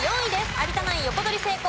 有田ナイン横取り成功